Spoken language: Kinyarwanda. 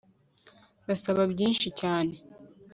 Ndasaba byinshi cyane